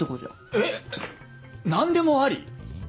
えっ！？何でもあり？